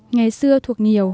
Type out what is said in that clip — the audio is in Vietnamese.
ngày xưa thuộc nhiều